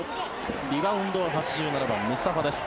リバウンドは８７番、ムスタファです。